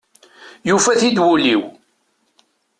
Yufa-t-id wul-iw.